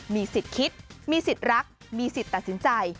มีสิทธิ์คิดมีสิทธิ์รักมีสิทธิ์ตัดสินใจ